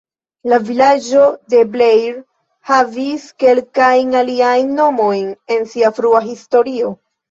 La vilaĝo de Blair havis kelkajn aliajn nomojn en sia frua historio.